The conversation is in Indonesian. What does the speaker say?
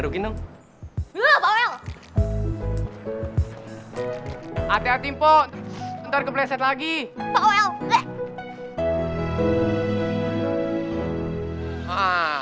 ucap pengennya ya